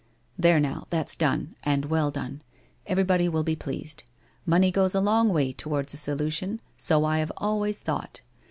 There now, that's done, and well done. Everybody will be pleased. Money goes a long way towards a solution, so I have always thought.